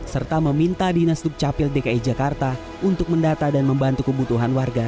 serta meminta dinas dukcapil dki jakarta untuk mendata dan membantu kebutuhan warga